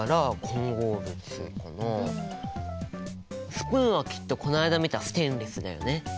スプーンはきっとこの間見たステンレスだよね。